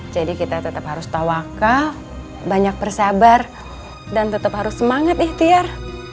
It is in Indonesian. jadi kita tetap harus tawakal banyak persebar dan tetap harus semangat ihtiar